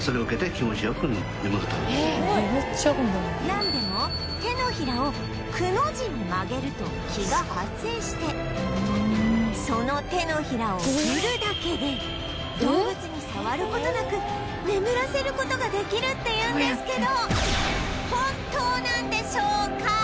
なんでも手のひらをくの字に曲げると気が発生してその手のひらを振るだけで動物に触る事なく眠らせる事ができるっていうんですけど